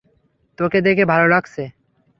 তোকে দেখে ভালো লাগছে!